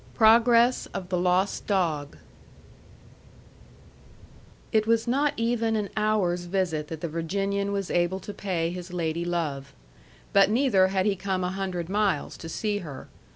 PROGRESS OF THE LOST DOG It was not even an hour's visit that the Virginian was able to pay his lady love. But neither had he come a hundred miles to see her.